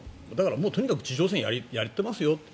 とにかく地上戦をやっていますよと。